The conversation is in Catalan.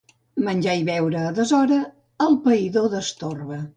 Menjar i beure a deshora el païdor destorba.